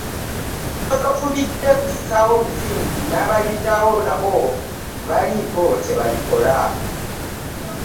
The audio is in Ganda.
Gwe w'otufubidde kussaawo musingi n'abaliddawo nabo tebalibaako kye balikola.